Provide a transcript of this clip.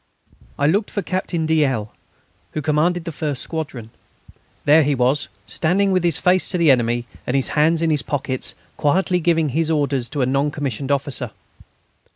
I looked for Captain de L., who commanded the first squadron. There he was, standing with his face to the enemy, and his hands in his pockets, quietly giving his orders to a non commissioned officer.